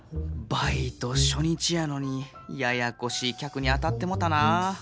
バイト初日やのにややこしい客に当たってもうたな。